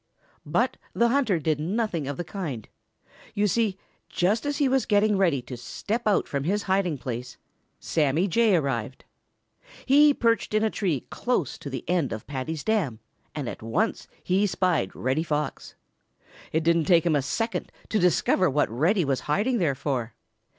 But the hunter did nothing of the kind. You see, just as he was getting ready to step out from his hiding place, Sammy Jay arrived. He perched in a tree close to the end of Paddy's dam and at once he spied Reddy Fox. It didn't take him a second to discover what Reddy was hiding there for.